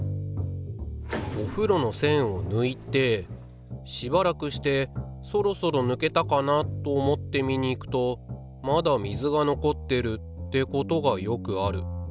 おふろのせんをぬいてしばらくしてそろそろぬけたかなと思って見に行くとまだ水が残ってるってことがよくある。